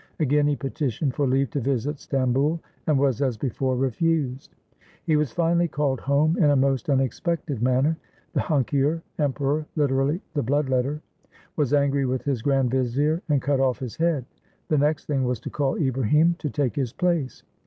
Again he petitioned for leave to visit Stamboul, and was, as before, refused. He was finally called home in a most unexpected manner. The hunkiar (emperor; literally, the "Blood letter") was angry with his grand vizier, and cut off his head. The next thing was to call Ibrahim to take his place.